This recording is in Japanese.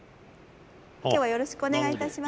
今日はよろしくお願いいたします。